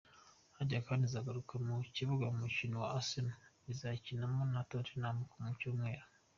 Harry Kane azagaruka mu kibuga ku mukino Arsenal izakinamo na Tottenham ku cyumweru.